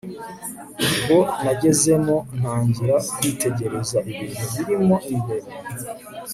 bwo nagezemo ntangira kwitegereza ibintu birimo imbere